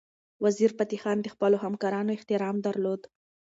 وزیرفتح خان د خپلو همکارانو احترام درلود.